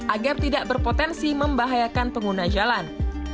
agar tidak berpotensi membahayakan pengguna jalan